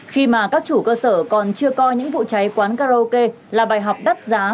khi mà các chủ cơ sở còn chưa coi những vụ cháy quán karaoke là bài học đắt giá